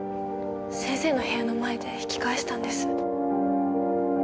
先生の部屋の前で引き返したんです。